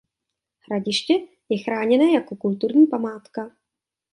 Hradiště je chráněné jako kulturní památka.